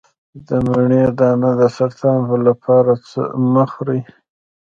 د مڼې دانه د سرطان لپاره مه خورئ